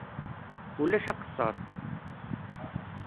Ulac aqeṣṣeṛ.